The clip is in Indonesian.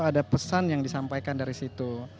ada pesan yang disampaikan dari situ